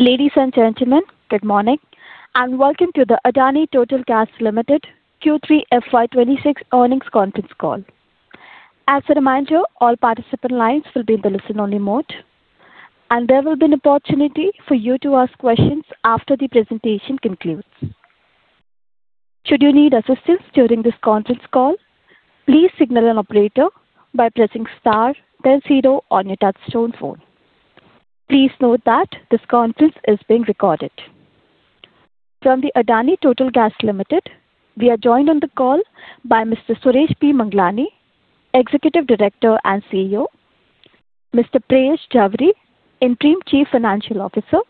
Ladies and gentlemen, good morning, and welcome to the Adani Total Gas Limited Q3 FY 2026 Earnings Conference Call. As a reminder, all participant lines will be in the listen-only mode, and there will be an opportunity for you to ask questions after the presentation concludes. Should you need assistance during this conference call, please signal an operator by pressing star then zero on your touch-tone phone. Please note that this conference is being recorded. From the Adani Total Gas Limited, we are joined on the call by Mr. Suresh P. Manglani, Executive Director and CEO, Mr. Preyash Jhaveri, Interim Chief Financial Officer,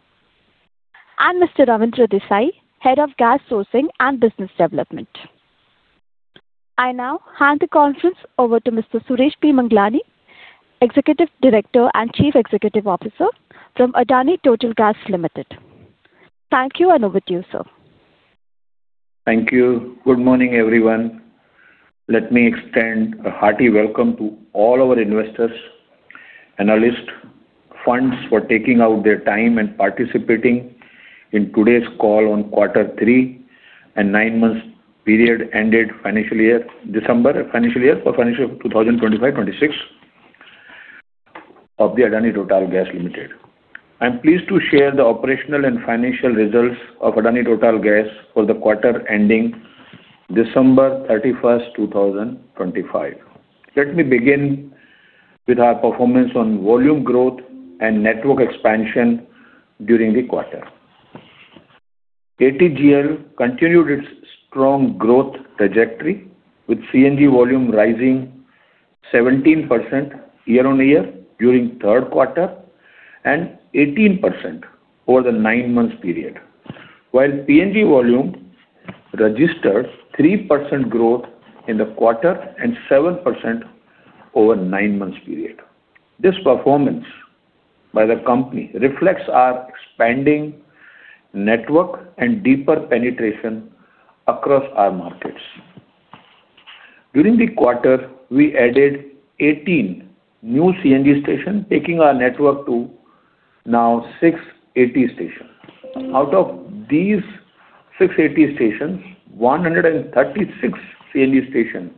and Mr. Ravindra Desai, Head of Gas Sourcing and Business Development. I now hand the conference over to Mr. Suresh P. Manglani, Executive Director and Chief Executive Officer from Adani Total Gas Limited. Thank you, and over to you, sir. Thank you. Good morning, everyone. Let me extend a hearty welcome to all our investors, analysts, funds for taking out their time and participating in today's call on quarter three and nine-month period ended financial year, December financial year for financial year 2025-2026 of the Adani Total Gas Limited. I'm pleased to share the operational and financial results of Adani Total Gas for the quarter ending December 31st, 2025. Let me begin with our performance on volume growth and network expansion during the quarter. ATGL continued its strong growth trajectory, with CNG volume rising 17% year-on-year during third quarter and 18% over the nine-month period, while PNG volume registered 3% growth in the quarter and 7% over the nine-month period. This performance by the company reflects our expanding network and deeper penetration across our markets. During the quarter, we added 18 new CNG stations, taking our network to now 680 stations. Out of these 680 stations, 136 CNG stations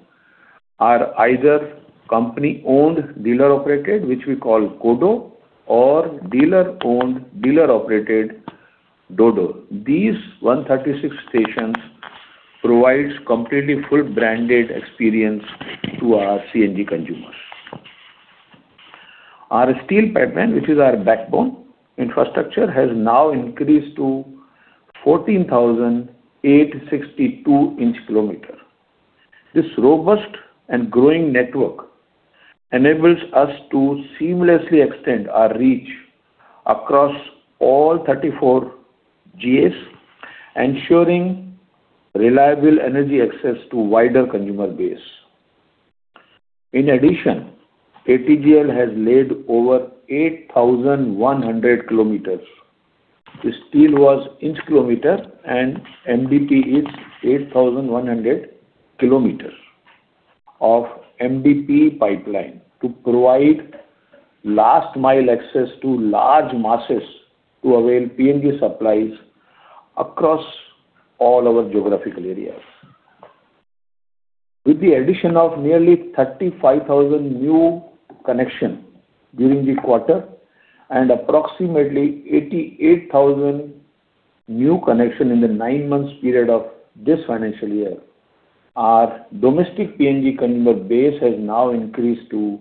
are either company-owned, dealer-operated, which we call CODO, or dealer-owned, dealer-operated, DODO. These 136 stations provide completely full branded experience to our CNG consumers. Our steel pipeline, which is our backbone infrastructure, has now increased to 14,862 inch km. This robust and growing network enables us to seamlessly extend our reach across all 34 GAs, ensuring reliable energy access to a wider consumer base. In addition, ATGL has laid over 8,100 km. The steel was inch kilometer and MDPE is 8,100 km of MDPE pipeline to provide last-mile access to large masses to avail PNG supplies across all our geographical areas. With the addition of nearly 35,000 new connections during the quarter and approximately 88,000 new connections in the nine-month period of this financial year, our domestic PNG consumer base has now increased to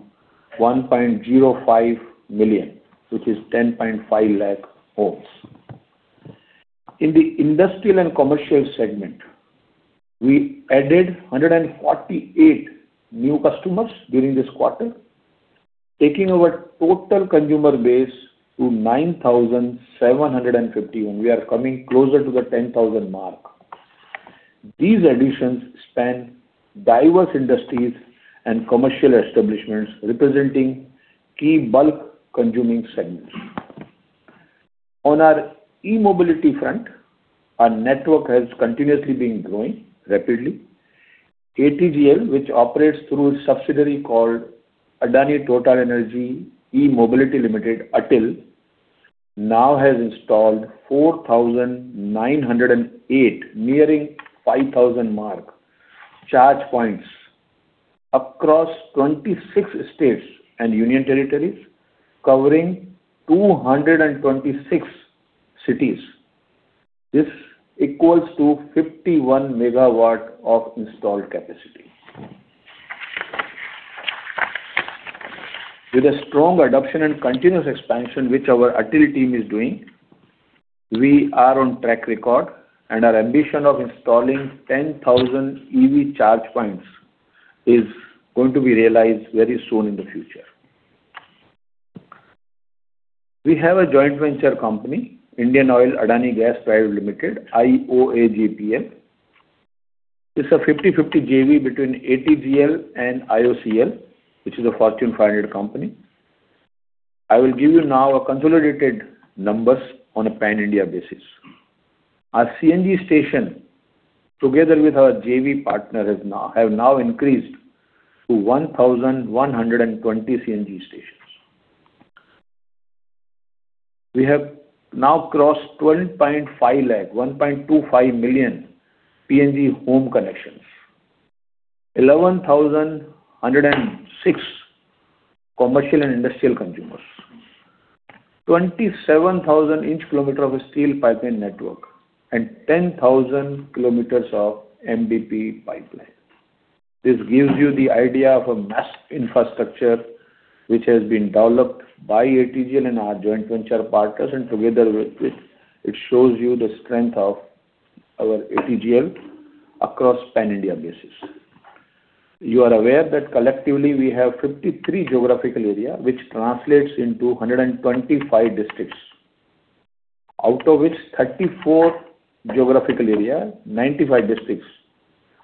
1.05 million, which is 10.5 lakh homes. In the industrial and commercial segment, we added 148 new customers during this quarter, taking our total consumer base to 9,751. We are coming closer to the 10,000 mark. These additions span diverse industries and commercial establishments representing key bulk consuming segments. On our e-mobility front, our network has continuously been growing rapidly. ATGL, which operates through its subsidiary called Adani TotalEnergies E-Mobility Limited, ATEL, now has installed 4,908 nearing 5,000 mark charge points across 26 states and union territories, covering 226 cities. This equals to 51 MW of installed capacity. With a strong adoption and continuous expansion, which our ATEL team is doing, we are on track record, and our ambition of installing 10,000 EV charge points is going to be realized very soon in the future. We have a joint venture company, Indian Oil Adani Gas Private Limited, IOAGPL. It's a 50-50 JV between ATGL and IOCL, which is a Fortune 500 company. I will give you now consolidated numbers on a pan-India basis. Our CNG station, together with our JV partner, have now increased to 1,120 CNG stations. We have now crossed 12.5 lakh, 1.25 million PNG home connections, 11,106 commercial and industrial consumers, 27,000 inch km of a steel pipeline network, and 10,000 km of MDPE pipeline. This gives you the idea of a massive infrastructure which has been developed by ATGL and our joint venture partners, and together with it, it shows you the strength of our ATGL across pan-India basis. You are aware that collectively we have 53 geographical areas, which translates into 125 districts. Out of which, 34 geographical areas, 95 districts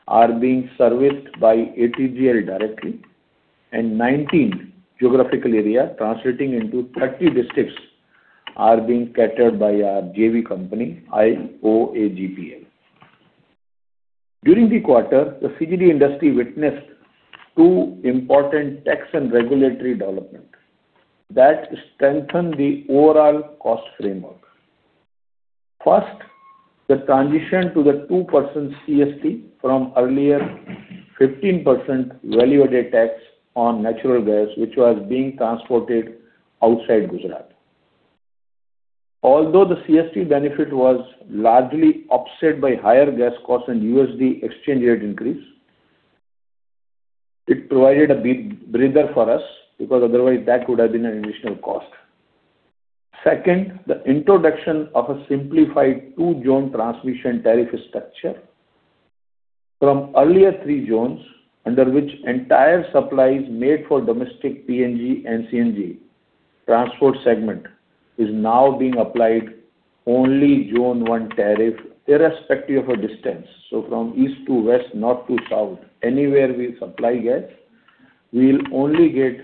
are being serviced by ATGL directly, and 19 geographical areas, translating into 30 districts, are being catered by our JV company, IOAGPL. During the quarter, the CGD industry witnessed two important tax and regulatory developments that strengthened the overall cost framework. First, the transition to the 2% CST from earlier 15% value-added tax on natural gas, which was being transported outside Gujarat. Although the CST benefit was largely offset by higher gas costs and USD exchange rate increase, it provided a breather for us because otherwise that would have been an additional cost. Second, the introduction of a simplified two-zone transmission tariff structure from earlier three zones, under which entire supplies made for domestic PNG and CNG transport segment is now being applied only Zone 1 tariff irrespective of distance. So from east to west, north to south, anywhere we supply gas, we will only get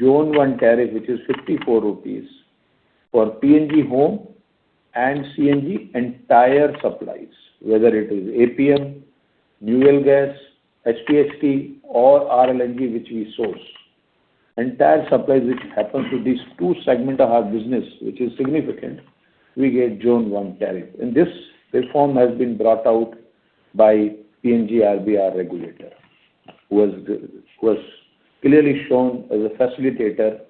Zone 1 tariff, which is 54 rupees for PNG home and CNG entire supplies, whether it is APM, New Well Gas, HPHT, or RLNG, which we source. Entire supplies which happen to these two segments of our business, which is significant, we get Zone 1 tariff. And this reform has been brought out by PNGRB regulator, who has clearly shown as a facilitator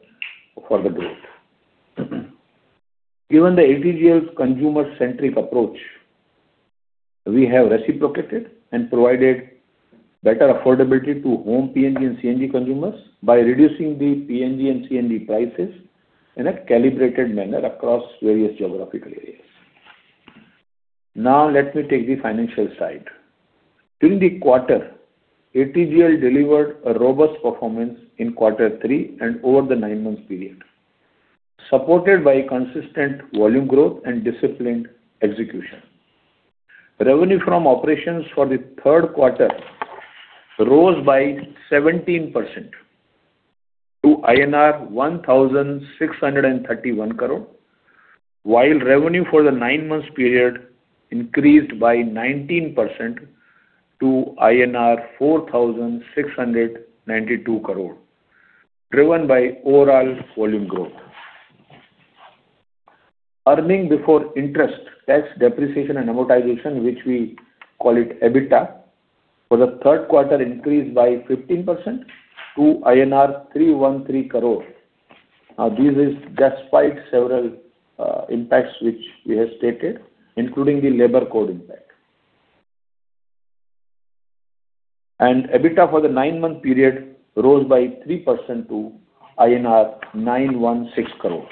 for the growth. Given the ATGL's consumer-centric approach, we have reciprocated and provided better affordability to home PNG and CNG consumers by reducing the PNG and CNG prices in a calibrated manner across various geographical areas. Now let me take the financial side. During the quarter, ATGL delivered a robust performance in quarter three and over the nine-month period, supported by consistent volume growth and disciplined execution. Revenue from operations for the third quarter rose by 17% to INR 1,631 crore, while revenue for the nine-month period increased by 19% to INR 4,692 crore, driven by overall volume growth. Earnings before interest, taxes, depreciation, and amortization, which we call it EBITDA, for the third quarter increased by 15% to INR 313 crore. Now, this is despite several impacts which we have stated, including the labor code impact. And EBITDA for the nine-month period rose by 3% to INR 916 crore.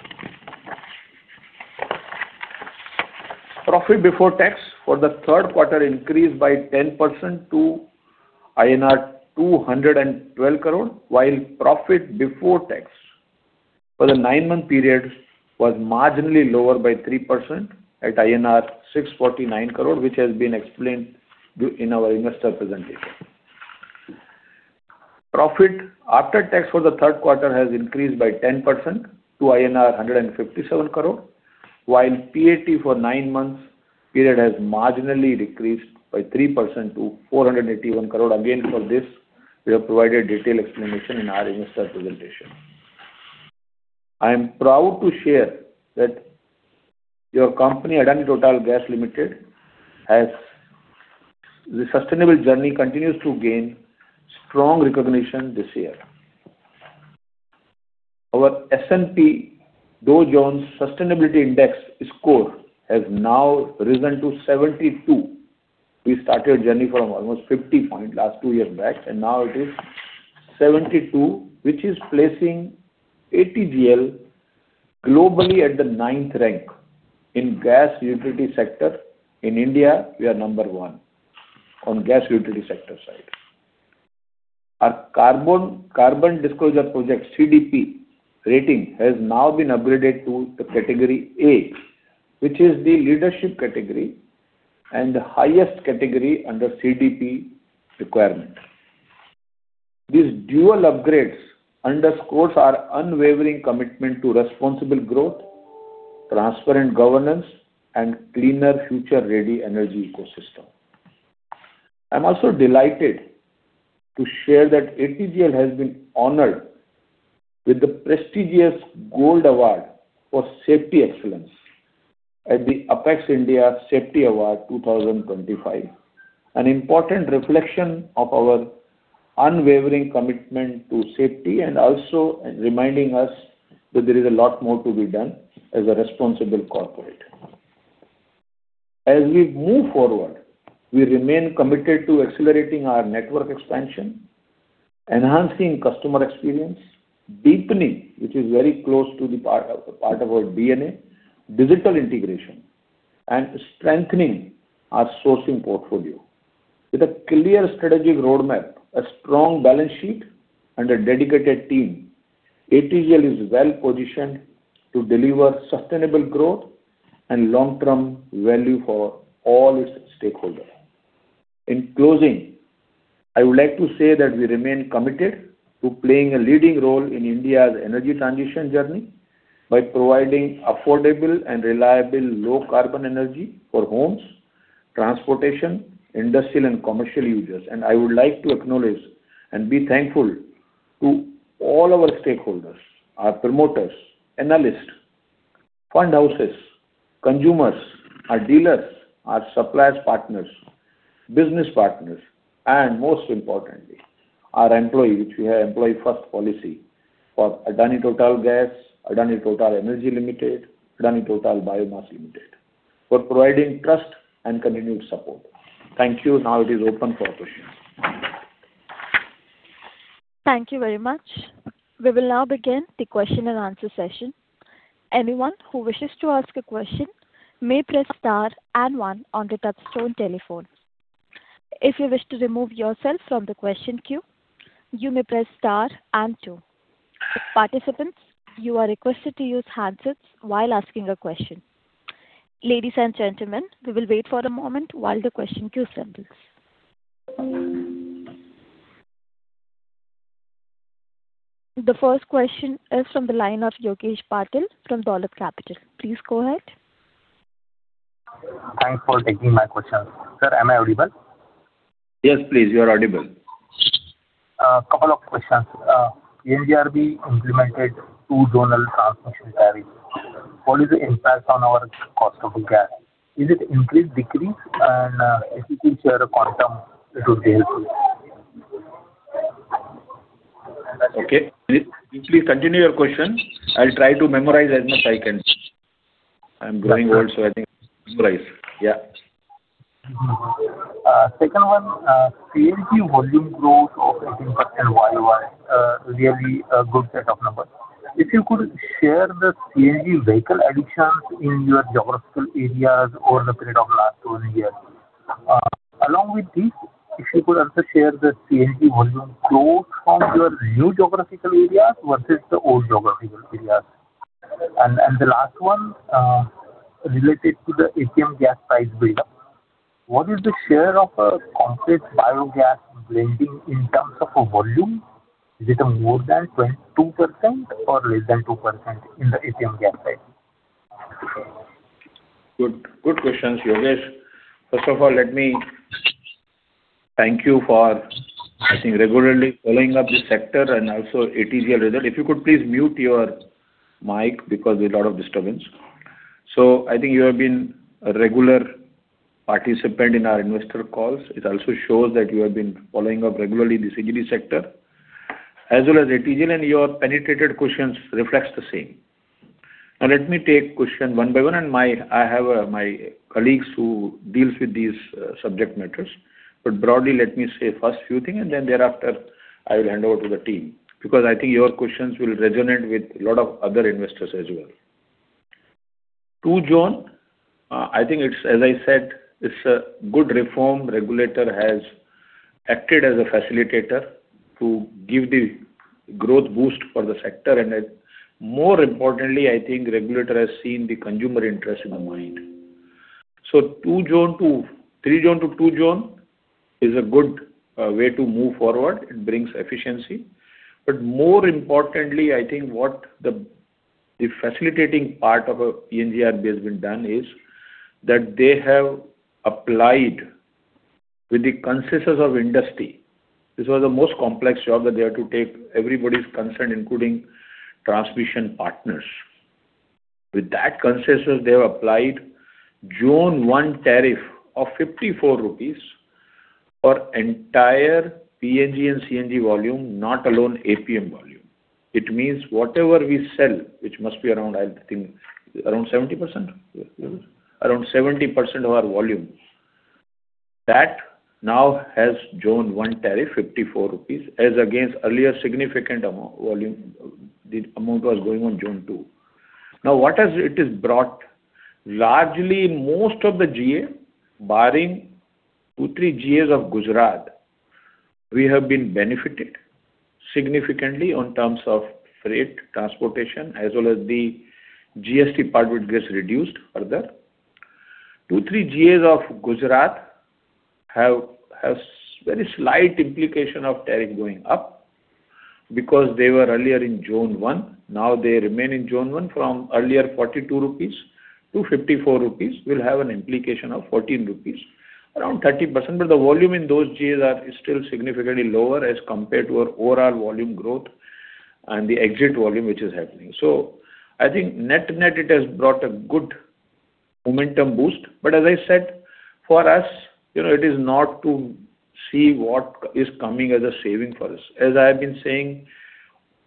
Profit before tax for the third quarter increased by 10% to INR 212 crore, while profit before tax for the nine-month period was marginally lower by 3% at INR 649 crore, which has been explained in our investor presentation. Profit after tax for the third quarter has increased by 10% to INR 157 crore, while PAT for nine-month period has marginally decreased by 3% to 481 crore. Again, for this, we have provided detailed explanation in our investor presentation. I am proud to share that your company, Adani Total Gas Limited, has the sustainable journey continues to gain strong recognition this year. Our S&P Dow Jones Sustainability Index score has now risen to 72. We started a journey from almost 50 points last two years back, and now it is 72, which is placing ATGL globally at the ninth rank in gas utility sector. In India, we are number one on gas utility sector side. Our carbon disclosure project, CDP rating, has now been upgraded to the category A, which is the leadership category and the highest category under CDP requirement. These dual upgrades underscore our unwavering commitment to responsible growth, transparent governance, and cleaner future-ready energy ecosystem. I'm also delighted to share that ATGL has been honored with the prestigious Gold Award for Safety Excellence at the Apex India Safety Award 2025, an important reflection of our unwavering commitment to safety and also reminding us that there is a lot more to be done as a responsible corporate. As we move forward, we remain committed to accelerating our network expansion, enhancing customer experience, deepening, which is very close to the part of our DNA, digital integration, and strengthening our sourcing portfolio. With a clear strategic roadmap, a strong balance sheet, and a dedicated team, ATGL is well positioned to deliver sustainable growth and long-term value for all its stakeholders. In closing, I would like to say that we remain committed to playing a leading role in India's energy transition journey by providing affordable and reliable low-carbon energy for homes, transportation, industrial, and commercial users. And I would like to acknowledge and be thankful to all our stakeholders, our promoters, analysts, fund houses, consumers, our dealers, our suppliers partners, business partners, and most importantly, our employees, which we have employee-first policy for Adani Total Gas, Adani TotalEnergies Limited, Adani Total Biomass Limited, for providing trust and continued support. Thank you. Now it is open for questions. Thank you very much. We will now begin the question and answer session. Anyone who wishes to ask a question may press star and one on the touch-tone telephone. If you wish to remove yourself from the question queue, you may press star and two. Participants, you are requested to use handsets while asking a question. Ladies and gentlemen, we will wait for a moment while the question queue settles. The first question is from the line of Yogesh Patil from Dolat Capital. Please go ahead. Thanks for taking my question. Sir, am I audible? Yes, please. You are audible. A couple of questions. PNGRB implemented two-zone transmission tariff. What is the impact on our cost of gas? Is it increased, decreased? And if you could share a quantum, it would be helpful. Okay. Please continue your question. I'll try to memorize as much as I can. I'm growing old, so I think memorize. Yeah. Second one, CNG volume growth of 18% worldwide is really a good set of numbers. If you could share the CNG vehicle additions in your geographical areas over the period of last two years? Along with these, if you could also share the CNG volume growth from your new geographical areas versus the old geographical areas? And the last one, related to the APM gas price, broader, what is the share of a complete biogas blending in terms of volume? Is it more than 2% or less than 2% in the APM gas price? Good questions, Yogesh. First of all, let me thank you for, I think, regularly following up this sector and also ATGL result. If you could please mute your mic because there's a lot of disturbance. So I think you have been a regular participant in our investor calls. It also shows that you have been following the CGD sector as well as ATGL regularly, and your penetrating questions reflect the same. Now let me take questions one by one, and I have my colleagues who deal with these subject matters. But broadly, let me say the first few things, and then thereafter I will hand over to the team because I think your questions will resonate with a lot of other investors as well. Two-zone, I think, as I said, it is a good reform. Regulator has acted as a facilitator to give the growth boost for the sector. And more importantly, I think regulator has kept the consumer interest in mind. So three-zone to two-zone is a good way to move forward. It brings efficiency. But more importantly, I think what the facilitating part of PNGRB has been done is that they have applied with the consensus of industry. This was the most complex job that they had to take everybody's concern, including transmission partners. With that consensus, they have applied Zone 1 tariff of 54 rupees for entire PNG and CNG volume, not alone APM volume. It means whatever we sell, which must be around, I think, around 70%? Around 70% of our volume. That now has Zone 1 tariff, 54 rupees, as against earlier significant volume. The amount was going on Zone 2. Now, what has it brought? Largely, most of the GA barring two, three GAs of Gujarat, we have been benefited significantly in terms of freight transportation, as well as the GST part, which gets reduced further. Two, three GAs of Gujarat have very slight implication of tariff going up because they were earlier in Zone 1. Now they remain in Zone 1. From earlier 42 rupees to 54 rupees, we'll have an implication of 14 rupees, around 30%. But the volume in those GAs is still significantly lower as compared to our overall volume growth and the exit volume, which is happening. So I think net net, it has brought a good momentum boost. But as I said, for us, it is not to see what is coming as a saving for us. As I have been saying,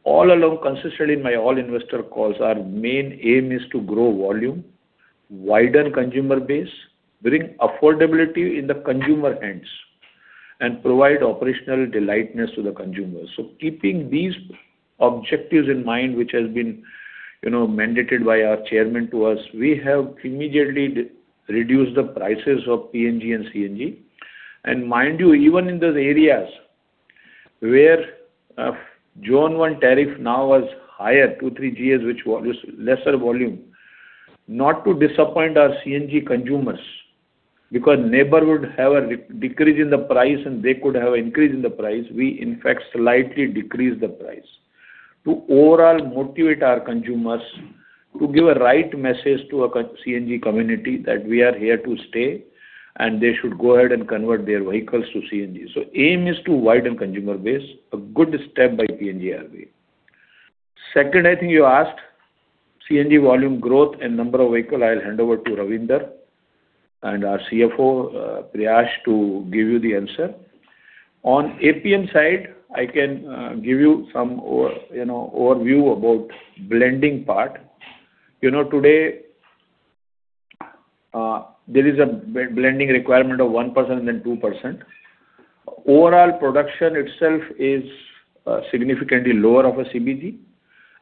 all along, consistently in my all investor calls, our main aim is to grow volume, widen consumer base, bring affordability in the consumer hands, and provide operational delightness to the consumers. So keeping these objectives in mind, which has been mandated by our Chairman to us, we have immediately reduced the prices of PNG and CNG. And mind you, even in those areas where Zone 1 tariff now was higher, two, three GAs, which was lesser volume, not to disappoint our CNG consumers because neighborhood have a decrease in the price and they could have an increase in the price, we, in fact, slightly decreased the price to overall motivate our consumers to give a right message to our CNG community that we are here to stay and they should go ahead and convert their vehicles to CNG. So aim is to widen consumer base, a good step by PNGRB. Second, I think you asked CNG volume growth and number of vehicles. I'll hand over to Ravindra and our CFO, Prayesh, to give you the answer. On APM side, I can give you some overview about blending part. Today, there is a blending requirement of 1% and then 2%. Overall production itself is significantly lower of a CBG.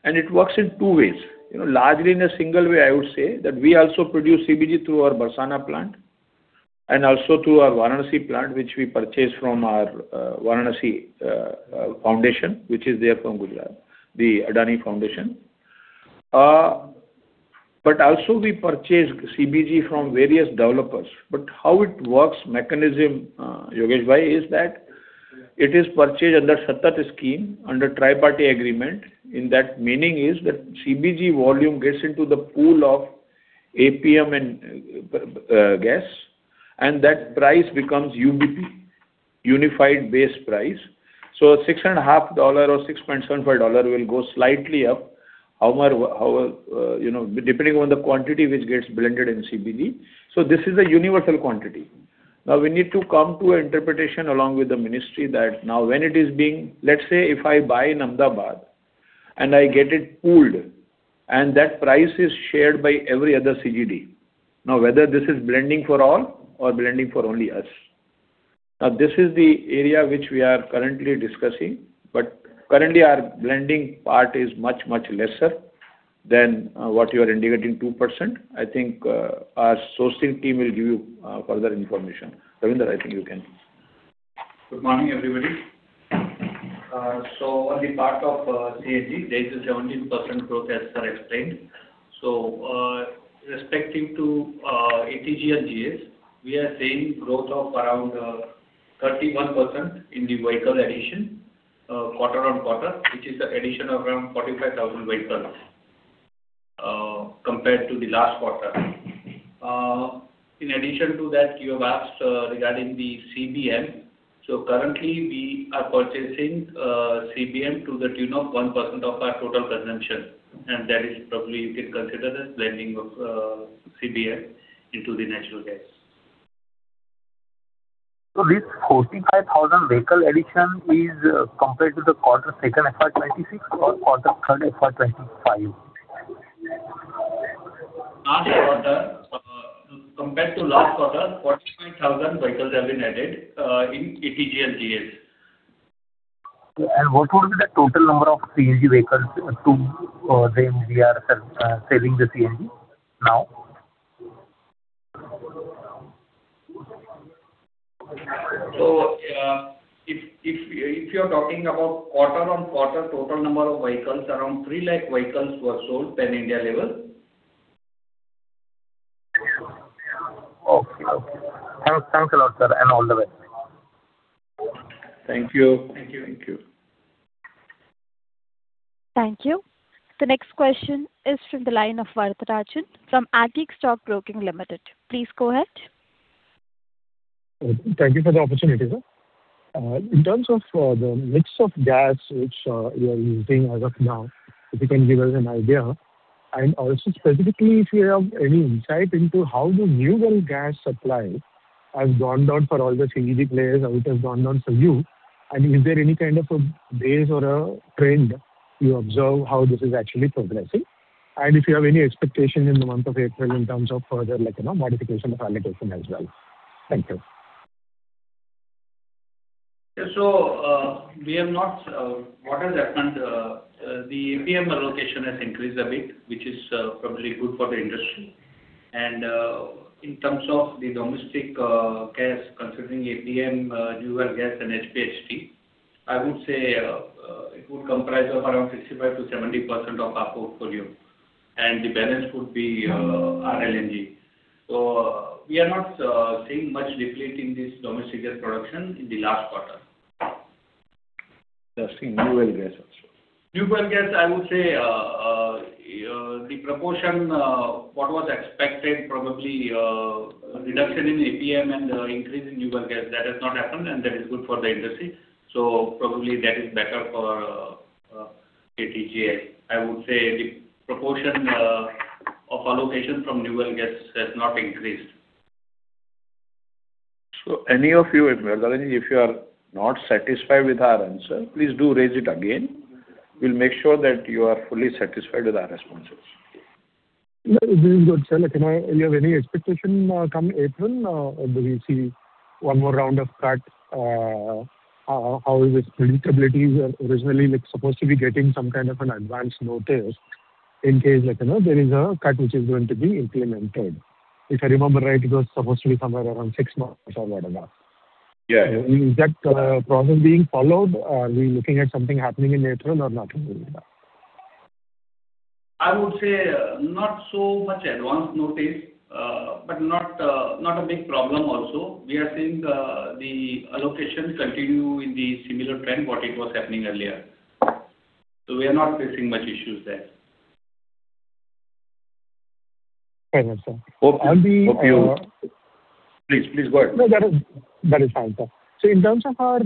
It works in two ways. Largely in a single way, I would say that we also produce CBG through our Barsana plant and also through our Varanasi plant, which we purchase from our Varanasi foundation, which is there from Gujarat, the Adani Foundation. But also we purchase CBG from various developers. But how it works, mechanism, Yogesh Bhai, is that it is purchased under SATAT scheme under tri-party agreement. In that meaning is that CBG volume gets into the pool of APM and gas, and that price becomes UBP, Unified Base Price. So $6.5 or $6.75 will go slightly up depending on the quantity which gets blended in CBG. So this is a universal quantity. Now we need to come to an interpretation along with the ministry that now when it is being, let's say if I buy in Ahmedabad and I get it pooled and that price is shared by every other CGD, now whether this is blending for all or blending for only us. Now this is the area which we are currently discussing. But currently, our blending part is much, much lesser than what you are indicating, 2%. I think our sourcing team will give you further information. Ravindra, I think you can. Good morning, everybody. So on the part of CNG, there is a 17% growth, as Sir explained. So with respect to ATGL GAs, we are seeing growth of around 31% in the vehicle addition, quarter on quarter, which is an addition of around 45,000 vehicles compared to the last quarter. In addition to that, you have asked regarding the CBM. So currently, we are purchasing CBM to the tune of 1% of our total consumption. And that is probably you can consider as blending of CBM into the natural gas. So this 45,000 vehicle addition is compared to the quarter second FY 26 or quarter third FY 2025? Last quarter, compared to last quarter, 45,000 vehicles have been added in ATGL GAs. And what would be the total number of CNG vehicles to them we are selling the CNG now? So if you are talking about quarter on quarter total number of vehicles, around 3 lakh vehicles were sold Pan India level. Okay. Thanks a lot, Sir, and all the best. Thank you. Thank you. Thank you. The next question is from the line of Varatharajan from Antique Stock Broking Limited. Please go ahead. Thank you for the opportunity, sir. In terms of the mix of gas which we are using as of now, if you can give us an idea and also specifically if you have any insight into how the new gas supply has gone down for all the CGD players and it has gone down for you, and is there any kind of a base or a trend you observe how this is actually progressing, and if you have any expectation in the month of April in terms of further modification of allocation as well. Thank you. Yeah. We have not cut it that much. The APM allocation has increased a bit, which is probably good for the industry. And in terms of the domestic gas, considering APM, new gas, and HPHT, I would say it would comprise of around 65%-70% of our portfolio. And the balance would be RLNG. So we are not seeing much depleting this domestic gas production in the last quarter. Interesting. New Well Gas also. New Well Gas, I would say the proportion what was expected, probably reduction in APM and increase in New Well Gas, that has not happened, and that is good for the industry. So probably that is better for ATGL. I would say the proportion of allocation from New Well Gas has not increased. So any of you, if you are not satisfied with our answer, please do raise it again. We'll make sure that you are fully satisfied with our responses. Very good, sir. Can I have any expectation come April? We see one more round of cut. How is this predictability? Originally, supposed to be getting some kind of an advance notice in case there is a cut which is going to be implemented. If I remember right, it was supposed to be somewhere around six months or whatever. Is that process being followed? Are we looking at something happening in April or not? I would say not so much advance notice, but not a big problem also. We are seeing the allocation continue in the similar trend what it was happening earlier. So we are not facing much issues there. Thank you, sir. Hope you please, please go ahead. No, that is fine, sir. So in terms of our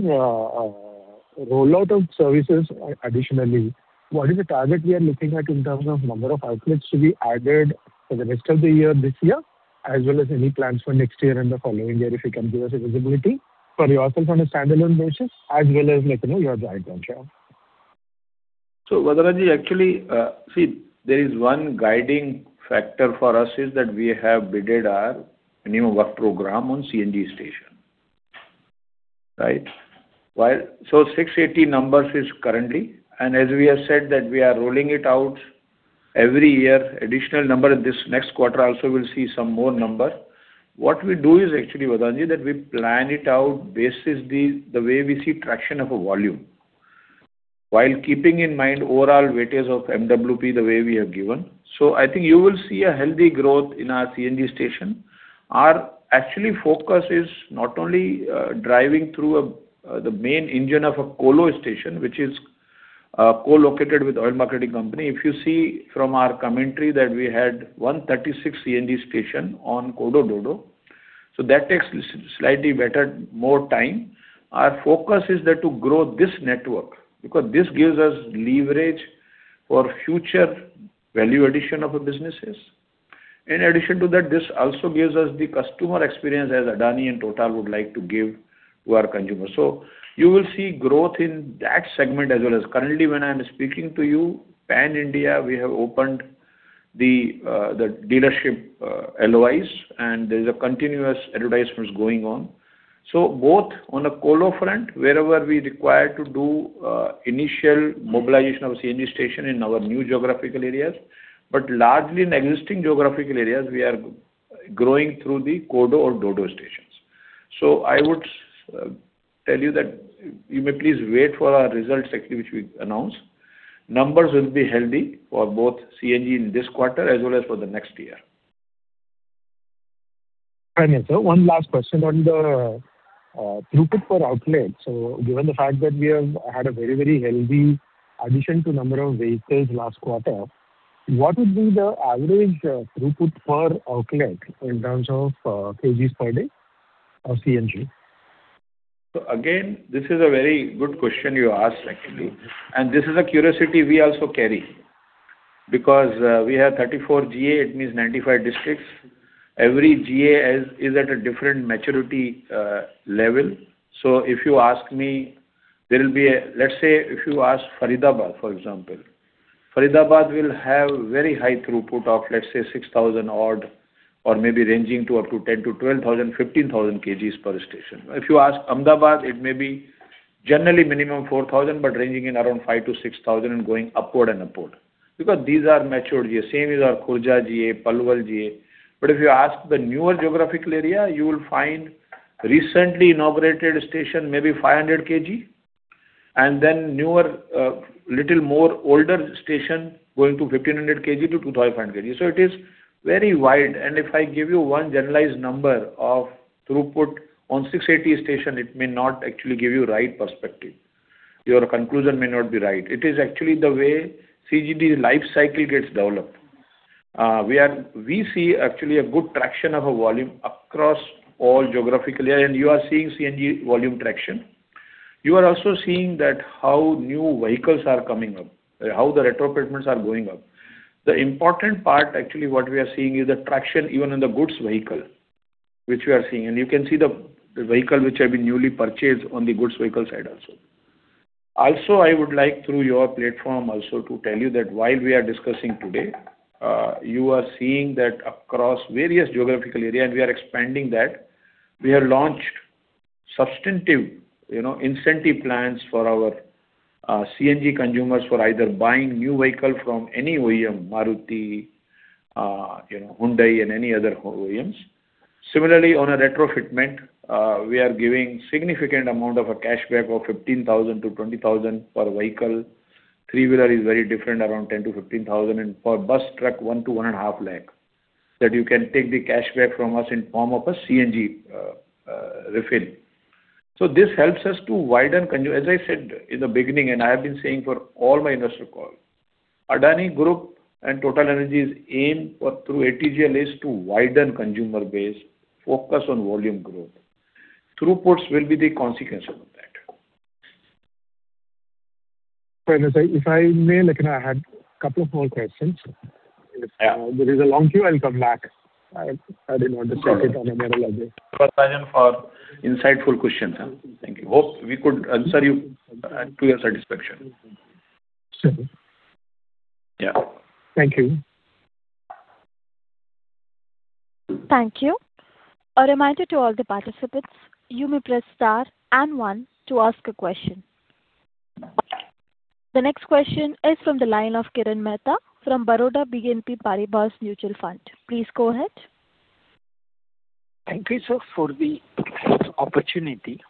rollout of services additionally, what is the target we are looking at in terms of number of outlets to be added for the rest of the year this year, as well as any plans for next year and the following year if you can give us visibility for yourself on a standalone basis as well as your joint venture? Varatharajan, actually, see, there is one guiding factor for us is that we have bid our new work program on CNG station. Right? So 680 numbers is currently. And as we have said that we are rolling it out every year, additional number this next quarter also we'll see some more number. What we do is actually, Varatharajan, that we plan it out based the way we see traction of volume while keeping in mind overall weightage of MWP the way we have given. So I think you will see a healthy growth in our CNG station. Our actual focus is not only driving through the main engine of a colo station, which is co-located with oil marketing company. If you see from our commentary that we had 136 CNG station on CODO/DODO. So that takes slightly better more time. Our focus is that to grow this network because this gives us leverage for future value addition of businesses. In addition to that, this also gives us the customer experience as Adani and Total would like to give to our consumers. So you will see growth in that segment as well as currently when I am speaking to you, Pan India, we have opened the dealership LOIs, and there is a continuous advertisement going on. So both on the CODO front, wherever we require to do initial mobilization of CNG station in our new geographical areas, but largely in existing geographical areas, we are growing through the CODO/DODO stations. So I would tell you that you may please wait for our results, actually, which we announce. Numbers will be healthy for both CNG in this quarter as well as for the next year. Thank you, sir. One last question on the throughput per outlet. So given the fact that we have had a very, very healthy addition to number of vehicles last quarter, what would be the average throughput per outlet in terms of kgs per day of CNG? So again, this is a very good question you asked, actually. And this is a curiosity we also carry because we have 34 GA. It means 95 districts. Every GA is at a different maturity level. So if you ask me, there will be a. Let's say if you ask Faridabad, for example, Faridabad will have very high throughput of, let's say, 6,000 odd or maybe ranging to up to 10-12,000, 15,000 kgs per station. If you ask Ahmedabad, it may be generally minimum 4,000, but ranging in around 5,000-6,000 and going upward and upward because these are matured GA. Same is our Khurja GA, Palwal GA. But if you ask the newer geographical area, you will find recently inaugurated stations maybe 500 kg and then the newer, a little more older stations going to 1,500-2,500 kg. So it is very wide. If I give you one generalized number of throughput on 680 stations, it may not actually give you the right perspective. Your conclusion may not be right. It is actually the way CGD life cycle gets developed. We see actually a good traction of volume across all geographical areas. You are seeing CNG volume traction. You are also seeing that how new vehicles are coming up, how the retro treatments are going up. The important part, actually, what we are seeing is the traction even in the goods vehicles, which we are seeing. And you can see the vehicle which have been newly purchased on the goods vehicle side also. Also, I would like through your platform also to tell you that while we are discussing today, you are seeing that across various geographical areas, and we are expanding that. We have launched substantive incentive plans for our CNG consumers for either buying new vehicle from any OEM, Maruti, Hyundai, and any other OEMs. Similarly, on a retro fitment, we are giving significant amount of a cashback of 15,000-20,000 per vehicle. Three-wheeler is very different, around 10,000-15,000. And for bus truck, 1 lakh-1.5 lakh that you can take the cashback from us in form of a CNG refill. So this helps us to widen consumer. As I said in the beginning, and I have been saying for all my investor calls, Adani Group and TotalEnergies' aim through ATGL is to widen consumer base, focus on volume growth. Throughputs will be the consequence of that. If I may, I had a couple of more questions. There is a long queue. I'll come back. I didn't want to check it on a mirror like this. Varatharajan, for insightful questions. Thank you. Hope we could answer you to your satisfaction. Sure. Thank you. Thank you. A reminder to all the participants, you may press star and one to ask a question. The next question is from the line of Kirtan Mehta from Baroda BNP Paribas Mutual Fund. Please go ahead. Thank you, sir, for the opportunity.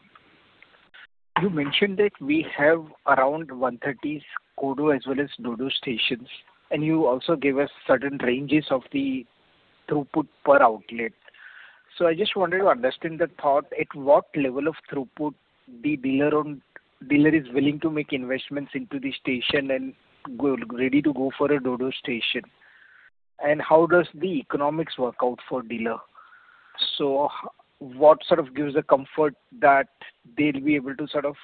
You mentioned that we have around 130 CODO as well as DODO stations, and you also gave us certain ranges of the throughput per outlet. So I just wanted to understand the thought at what level of throughput the dealer is willing to make investments into the station and ready to go for a DODO station. And how does the economics work out for dealer? So what sort of gives the comfort that they'll be able to sort of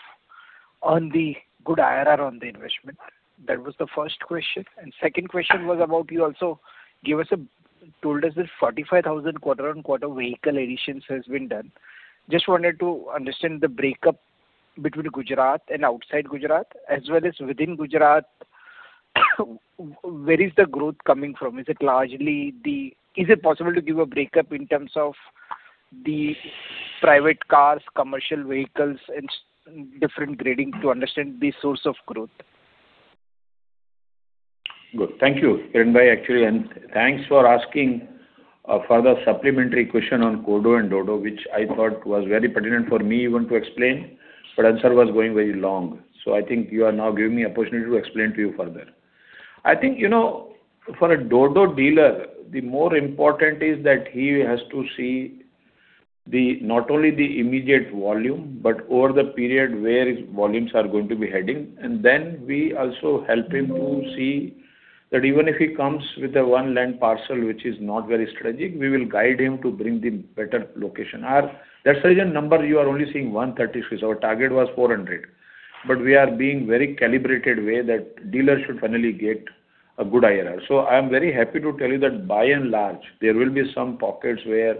earn the good IRR on the investment? That was the first question. And second question was about you also told us that 45,000 quarter on quarter vehicle additions has been done. Just wanted to understand the breakup between Gujarat and outside Gujarat as well as within Gujarat, where is the growth coming from? Is it possible to give a breakup in terms of the private cars, commercial vehicles, and different grading to understand the source of growth? Good. Thank you, Kirtan bhai, actually. And thanks for asking further supplementary question on CODO and DODO, which I thought was very pertinent for me even to explain, but answer was going very long. So I think you are now giving me opportunity to explain to you further. I think for a DODO dealer, the more important is that he has to see not only the immediate volume, but over the period where volumes are going to be heading. And then we also help him to see that even if he comes with a one land parcel, which is not very strategic, we will guide him to bring the better location. That's a number you are only seeing 130, which our target was 400. But we are being very calibrated way that dealer should finally get a good IRR. So I'm very happy to tell you that by and large, there will be some pockets where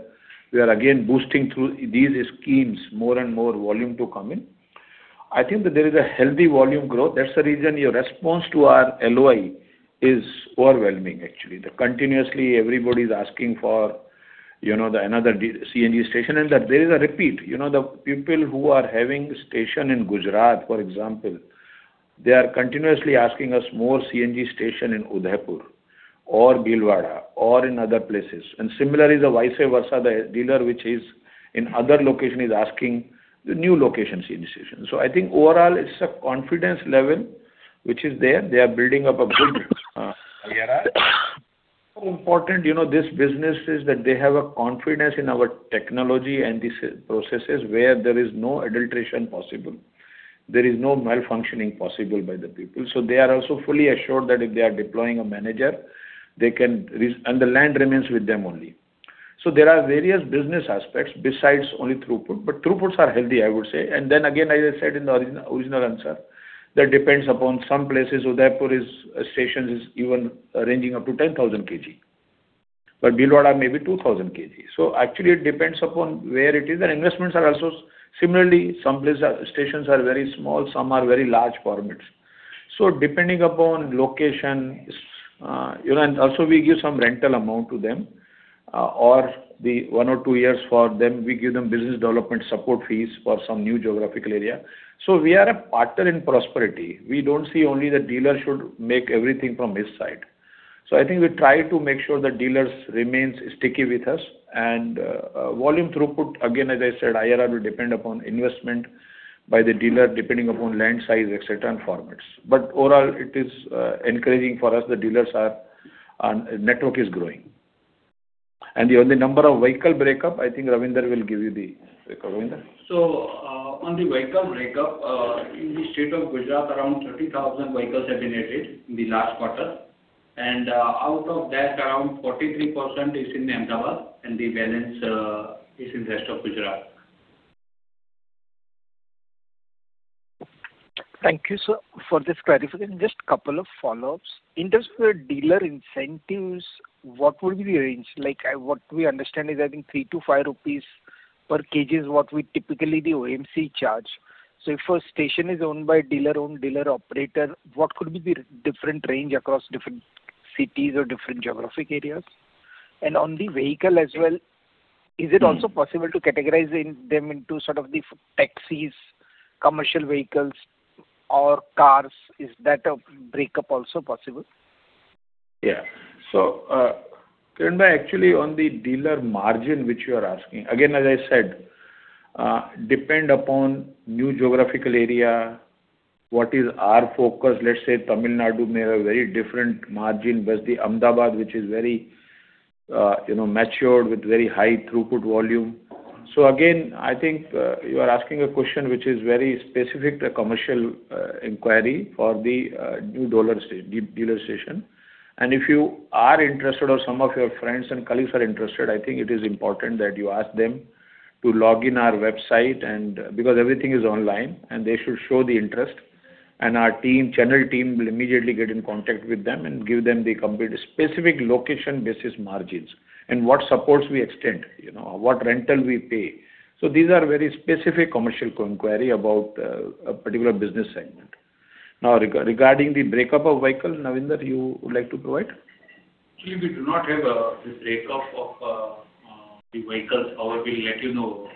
we are again boosting through these schemes more and more volume to come in. I think that there is a healthy volume growth. That's the reason your response to our LOI is overwhelming, actually. Continuously, everybody is asking for another CNG station and that there is a repeat. The people who are having station in Gujarat, for example, they are continuously asking us more CNG station in Udaipur or Bhilwara or in other places. And similarly, the vice versa, the dealer which is in other location is asking the new location CNG station. So I think overall, it's a confidence level which is there. They are building up a good IRR. Important, this business is that they have a confidence in our technology and these processes where there is no adulteration possible. There is no malfunctioning possible by the people. So they are also fully assured that if they are deploying a manager, they can—and the land remains with them only. So there are various business aspects besides only throughput, but throughputs are healthy, I would say. And then again, as I said in the original answer, that depends upon some places. Udaipur stations is even ranging up to 10,000 kg, but Bhilwara may be 2,000 kg. So actually, it depends upon where it is. And investments are also similarly, some stations are very small, some are very large formats. So, depending upon location, and also we give some rental amount to them or the one or two years for them, we give them business development support fees for some new geographical area. So we are a partner in prosperity. We don't see only that dealer should make everything from his side. So I think we try to make sure that dealers remain sticky with us. And volume throughput, again, as I said, IRR will depend upon investment by the dealer depending upon land size, etc., and formats. But overall, it is encouraging for us. The dealer's network is growing. And the number of vehicle breakup, I think Ravindra will give you the breakup. Ravindra? So on the vehicle breakup, in the state of Gujarat, around 30,000 vehicles have been added in the last quarter. Out of that, around 43% is in Ahmedabad, and the balance is in the rest of Gujarat. Thank you, sir, for this clarification. Just a couple of follow-ups. In terms of dealer incentives, what would be the range? What we understand is, I think, 3-5 rupees per kg is what we typically the OMC charge. So if a station is owned by dealer-owned, dealer-operated, what could be the different range across different cities or different geographic areas? And on the vehicle as well, is it also possible to categorize them into sort of the taxis, commercial vehicles, or cars? Is that a breakup also possible? Yeah. So Kirtan bhai, actually, on the dealer margin, which you are asking, again, as I said, depend upon new geographical area. What is our focus? Let's say Tamil Nadu may have a very different margin versus the Ahmedabad, which is very matured with very high throughput volume. So again, I think you are asking a question which is very specific to a commercial inquiry for the new dealer station. If you are interested or some of your friends and colleagues are interested, I think it is important that you ask them to log in our website because everything is online, and they should show the interest. Our team, channel team, will immediately get in contact with them and give them the specific location-basis margins and what supports we extend, what rental we pay. So these are very specific commercial inquiry about a particular business segment. Now, regarding the breakup of vehicle, Ravindra, you would like to provide? Actually, we do not have the breakup of the vehicles, however, we'll let you know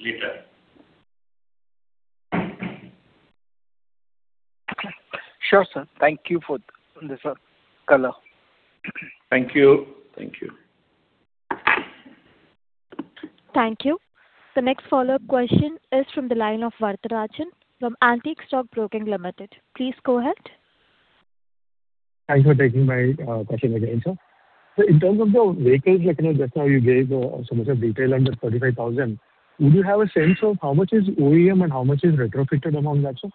later. Sure, sir. Thank you for the color, sir. Thank you. Thank you. The next follow-up question is from the line of Varatharajan from Antique Stock Broking Limited. Please go ahead. Thanks for taking my question again, sir. So in terms of the vehicles, just now you gave so much of detail under 35,000. Would you have a sense of how much is OEM and how much is retrofitted among that, sir?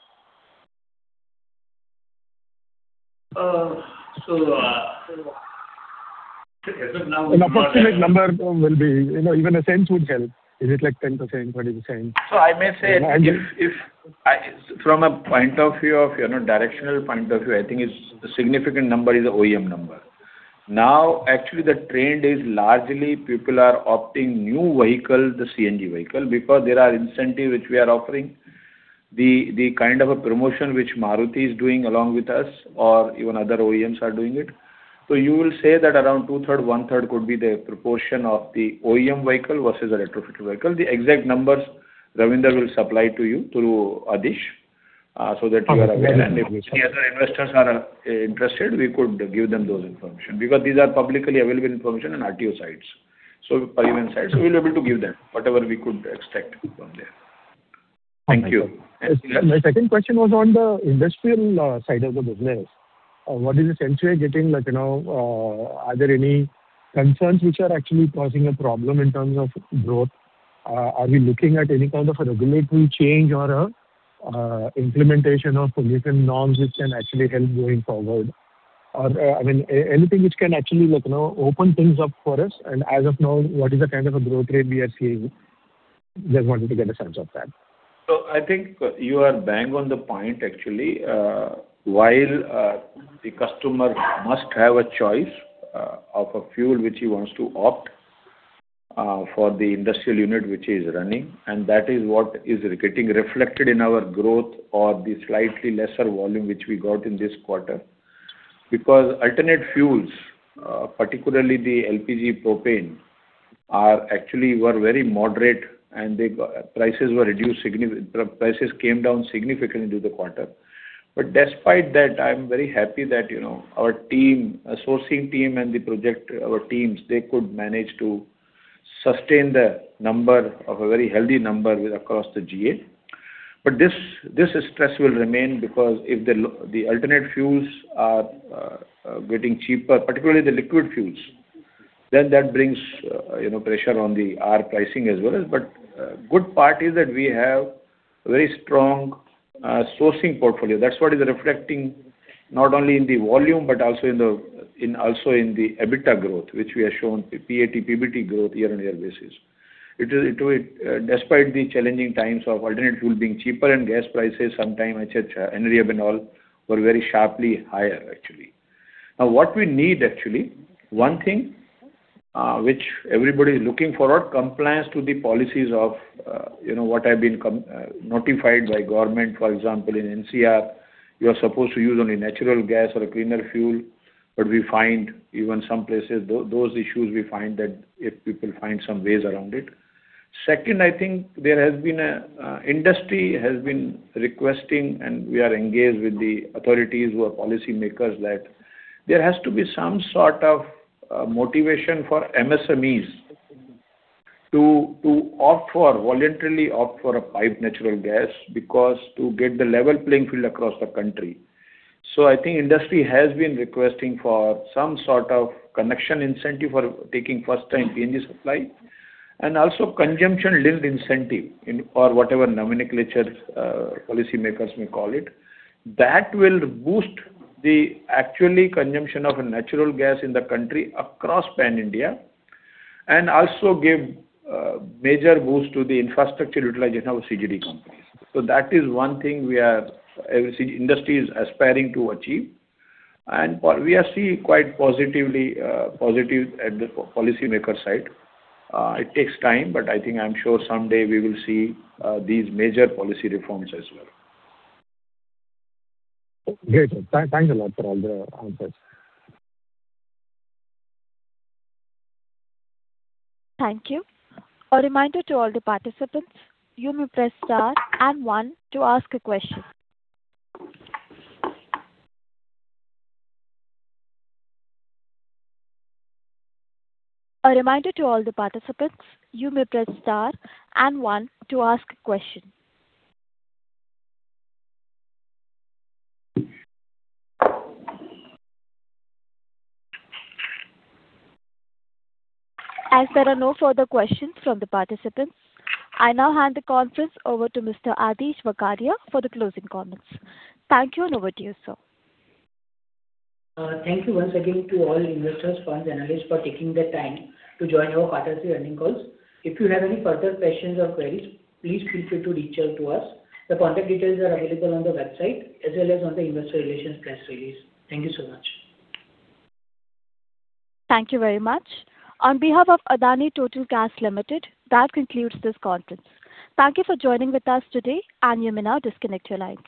An approximate number will be even a sense would help. Is it like 10%, 20%? So I may say from a directional point of view, I think a significant number is the OEM number. Now, actually, the trend is largely people are opting new vehicle, the CNG vehicle, because there are incentives which we are offering, the kind of a promotion which Maruti is doing along with us or even other OEMs are doing it. So you will say that around two-thirds, one-third could be the proportion of the OEM vehicle versus retrofitted vehicle. The exact numbers, Ravindra will supply to you through Adish so that you are aware. And if any other investors are interested, we could give them those information because these are publicly available information on RTO sides, so private sides. So we'll be able to give them whatever we could extract from there. Thank you. My second question was on the industrial side of the business. What is the sense we are getting? Are there any concerns which are actually causing a problem in terms of growth? Are we looking at any kind of a regulatory change or implementation of different norms which can actually help going forward? Or, I mean, anything which can actually open things up for us? And as of now, what is the kind of a growth rate we are seeing? Just wanted to get a sense of that. I think you are bang on the point, actually. While the customer must have a choice of a fuel which he wants to opt for the industrial unit which is running, and that is what is getting reflected in our growth or the slightly lesser volume which we got in this quarter because alternate fuels, particularly the LPG propane, actually were very moderate, and the prices came down significantly during the quarter. But despite that, I'm very happy that our team, sourcing team and the project teams, they could manage to sustain the number of a very healthy number across the GA. But this stress will remain because if the alternate fuels are getting cheaper, particularly the liquid fuels, then that brings pressure on our pricing as well. But good part is that we have a very strong sourcing portfolio. That's what is reflecting not only in the volume but also in the EBITDA growth, which we have shown PAT, PBT growth year-on-year basis. Despite the challenging times of alternate fuel being cheaper and gas prices sometimes, etc., and revenue were very sharply higher, actually. Now, what we need, actually, one thing which everybody is looking forward to, compliance to the policies of what has been notified by the government. For example, in NCR, you are supposed to use only natural gas or a cleaner fuel. But we find even in some places, those issues, we find that people find some ways around it. Second, I think the industry has been requesting, and we are engaged with the authorities who are policymakers, that there has to be some sort of motivation for MSMEs to voluntarily opt for piped natural gas because to get the level playing field across the country. So I think the industry has been requesting for some sort of connection incentive for taking first-time PNG supply and also consumption-linked incentive or whatever nomenclature policymakers may call it. That will boost the actual consumption of natural gas in the country across Pan India and also give a major boost to the infrastructure utilization of CGD companies. So that is one thing industry is aspiring to achieve. And we are seeing quite positive at the policymaker side. It takes time, but I think I'm sure someday we will see these major policy reforms as well. Great. Thanks a lot for all the answers. Thank you. A reminder to all the participants, you may press star and one to ask a question. A reminder to all the participants, you may press star and one to ask a question. As there are no further questions from the participants, I now hand the conference over to Mr. Adish Vakharia for the closing comments. Thank you and over to you, sir. Thank you once again to all investors, funds, and analysts for taking the time to join our quarterly earning calls. If you have any further questions or queries, please feel free to reach out to us. The contact details are available on the website as well as on the investor relations press release. Thank you so much. Thank you very much. On behalf of Adani Total Gas Limited, that concludes this conference. Thank you for joining with us today, and you may now disconnect your lines.